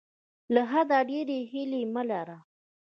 له حده ډیرې هیلې مه لره.